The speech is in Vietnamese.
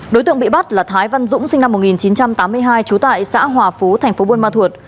đối tượng bị bắt là thái văn dũng sinh năm một nghìn chín trăm tám mươi hai chú tại xã hòa phú tp buôn ma thuột